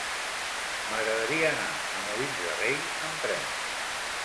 M'agradaria anar a Molins de Rei amb tren.